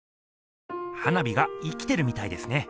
花火が生きてるみたいですね。